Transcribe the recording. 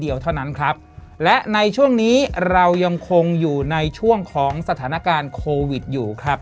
เดียวเท่านั้นครับและในช่วงนี้เรายังคงอยู่ในช่วงของสถานการณ์โควิดอยู่ครับ